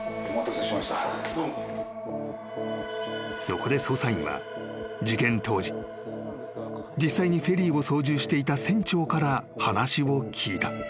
［そこで捜査員は事件当時実際にフェリーを操縦していた船長から話を聞いた］